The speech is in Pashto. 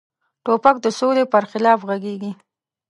توپک د سولې پر خلاف غږیږي.